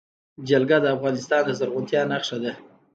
جلګه د افغانستان د زرغونتیا نښه ده.